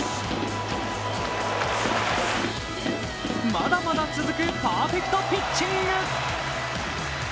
まだまだ続くパーフェクトピッチング。